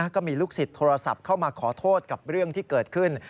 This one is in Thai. ก็มีลูกศิษย์โทรศัพท์เข้ามาขอโทษกับเรื่องที่เกิดขึ้น